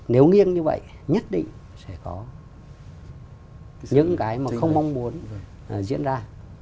nếu nghiêng như vậy nhất định sẽ có những cái mà không mong muốn diễn ra